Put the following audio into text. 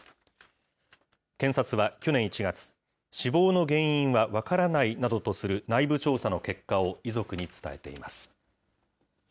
検察は去年１月、死亡の原因は分からないなどとする内部調査の結果を遺族に伝えています。